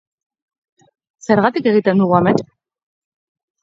Zergatik egiten dugu amets?